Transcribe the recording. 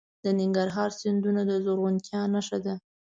د ننګرهار سیندونه د زرغونتیا نښه ده.